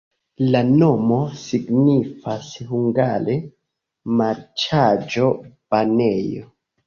La nomo signifas hungare: marĉaĵo-banejo.